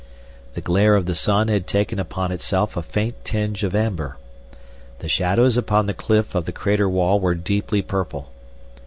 The glare of the sun had taken upon itself a faint tinge of amber; the shadows upon the cliff of the crater wall were deeply purple.